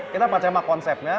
kita percaya sama konsepnya